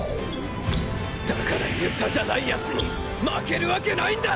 だから遊佐じゃない奴に負けるわけないんだ！